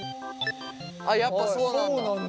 やっぱそうなんだ。